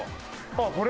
あっこれ？